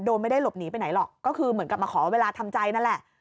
โดยไม่ได้หลบหนีไปไหนหรอกก็คือเหมือนกับมาขอเวลาทำใจนั่นแหละ